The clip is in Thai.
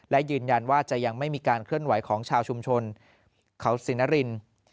และยืนยันว่าจะยังไม่มีการเคลื่อนไหวของชาวชุมชนเขาศรีนริน